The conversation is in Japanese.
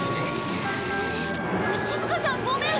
しずかちゃんごめん！